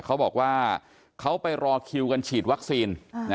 เขาบอกว่าเขาไปรอคิวกันฉีดวัคซีน